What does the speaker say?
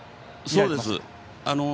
そうです。